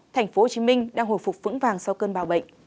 tp hcm đang hồi phục vững vàng sau cơn bão bệnh